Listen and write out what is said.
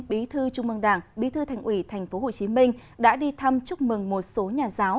bí thư trung mương đảng bí thư thành ủy tp hcm đã đi thăm chúc mừng một số nhà giáo